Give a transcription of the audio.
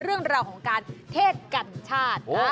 เรื่องราวของการเทศกัญชาติ